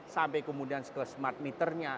sampai kemudian ke smart meternya